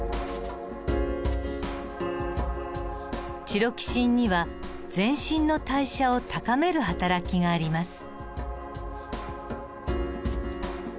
チロキシンには全身の代謝を高めるはたらきがあります。